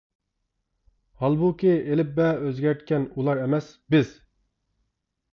ھالبۇكى، ئېلىپبە ئۆزگەرتكەن ئۇلار ئەمەس، بىز.